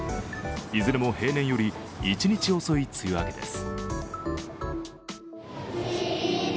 いずれも平年より１日遅い梅雨明けです。